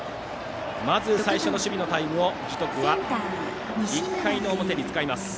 まず最初の守備のタイムを樹徳は１回表に使います。